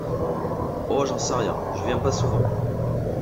Oh, j’en sais rien, je viens pas souvent.